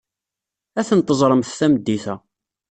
Ad tent-teẓremt tameddit-a.